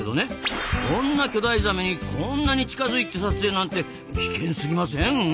こんな巨大ザメにこんなに近づいて撮影なんて危険すぎません？